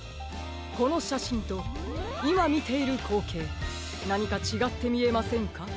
このしゃしんといまみているこうけいなにかちがってみえませんか？